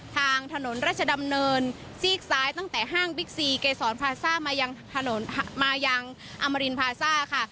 ทางถนนราชดำเนินซีกซ้ายตั้งแต่ห้างบิ๊กซีเกษรพาซ่ามายังถนนมายังอมรินพาซ่าค่ะ